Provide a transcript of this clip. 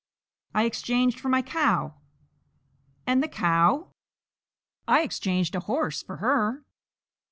"I exchanged for my cow." "And the cow?" "I exchanged a horse for her."